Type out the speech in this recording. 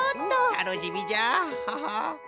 たのしみじゃ。